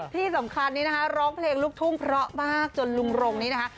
ที่สำคัญนี้นะคะร้องเพลงลูกทุ่งเพราะมากจนลุงรงนี้นะคะ